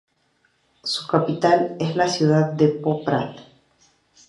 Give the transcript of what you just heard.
Su capital es la ciudad de Poprad.